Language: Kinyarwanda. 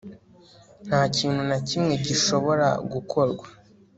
nta kintu na kimwe gishobora gukorwa